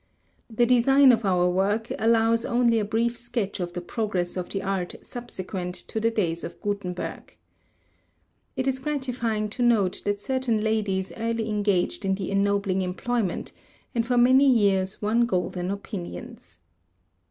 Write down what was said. The design of our work allows only a brief sketch of the progress of the art subsequent to the days of Gutenberg. It is gratifying to note that certain ladies early engaged in the ennobling employment, and for many years won golden opinions.